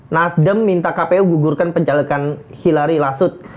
nasdem minta kpu gugurkan penjagaan hillary lasuth